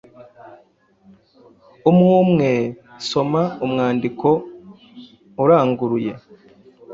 Umwumwe soma umwandiko uranguruye,